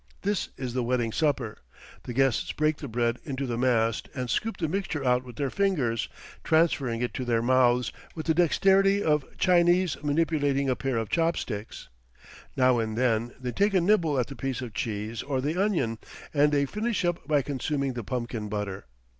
This is the wedding supper. The guests break the bread into the mast and scoop the mixture out with their fingers, transferring it to their mouths with the dexterity of Chinese manipulating a pair of chop sticks; now and then they take a nibble at the piece of cheese or the onion, and they finish up by consuming the pumpkin butter.